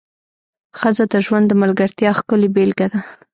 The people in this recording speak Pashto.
ښځه د ژوند د ملګرتیا ښکلې بېلګه ده.